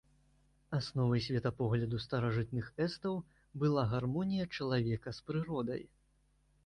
Асновай светапогляду старажытных эстаў была гармонія чалавека з прыродай.